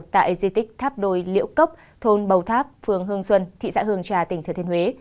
tại di tích tháp đồi liễu cốc thôn bầu tháp phường hương xuân thị xã hương trà tỉnh thừa thiên huế